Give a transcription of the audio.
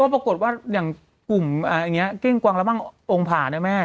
ว่าปรากฏว่าอย่างกลุ่มเมื่อแป้งกวางระมั่งองภาษณ์เนี่ยไหม